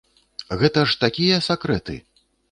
Гэта ж такія сакрэты!